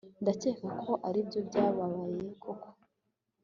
ndakeka ko aribyo byabaye koko